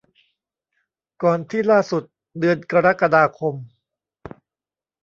ก่อนที่ล่าสุด เดือนกรกฎาคม